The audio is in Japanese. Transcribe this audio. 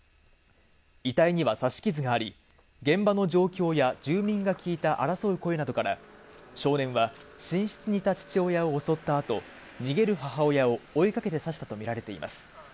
遺体には刺し傷があり、現場の状況や住民が聞いた争う声などから少年は寝室にいた父親を襲った後、逃げる母親を追いかけて刺したとみられています。